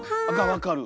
分かる。